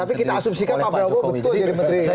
tapi kita asumsikan pak prabowo betul jadi menteri